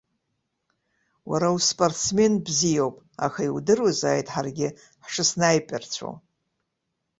Уара успортсмен бзиоуп, аха иудыруазааит ҳаргьы ҳшыснаиперцәоу.